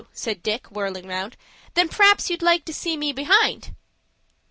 said Dick, whirling round; "then p'r'aps you'd like to see me behind."